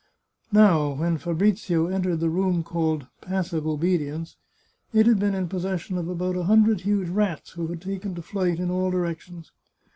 Now, when Fabrizio entered the room called " Passive Obedience," it had been in possession of about a hundred huge rats, who had taken to flight in all directions.